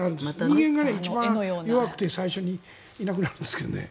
人間が一番弱くて最初にいなくなるんですけどね。